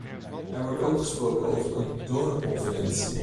Er wordt ook gesproken over een donorconferentie.